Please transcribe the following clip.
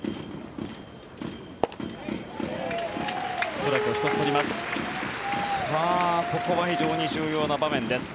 ストライクを１つ取ります。